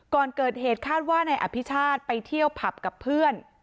ก่อนเกิดเหตุคาดว่านายอภิชาติไปเที่ยวผับกับเพื่อน